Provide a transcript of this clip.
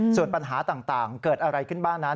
ส่วนปัญหาต่างเกิดอะไรขึ้นบ้างนั้น